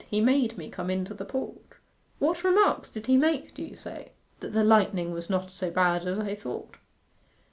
He made me come into the porch.' 'What remarks did he make, do you say?' 'That the lightning was not so bad as I thought.